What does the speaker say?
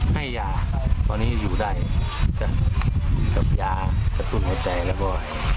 ให้ยาตอนนี้อยู่ได้กับยากระตุ้นหัวใจแล้วก็